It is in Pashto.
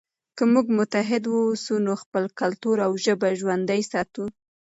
که موږ متحد واوسو نو خپل کلتور او ژبه ژوندی ساتو.